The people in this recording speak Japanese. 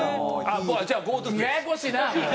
ややこしいなもう。